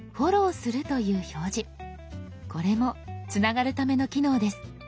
これもつながるための機能です。